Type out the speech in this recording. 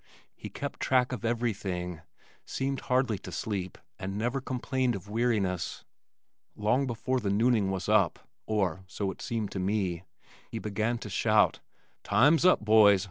He kept track of everything, seemed hardly to sleep and never complained of weariness. Long before the nooning was up, (or so it seemed to me) he began to shout: "Time's up, boys.